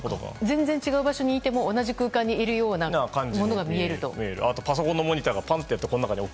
全然違う場所にいても同じ空間にいるよう見えると。